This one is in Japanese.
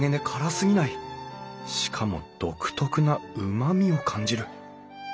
しかも独特なうまみを感じる。